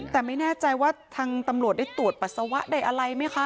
แต่ไม่แน่ใจว่าทางตำรวจได้ตรวจปัสสาวะได้อะไรไหมคะ